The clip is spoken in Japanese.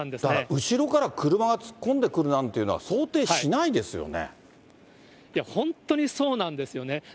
だから後ろから車が突っ込んでくるなんていうのは、想定しないや、本当にそうなんですよね。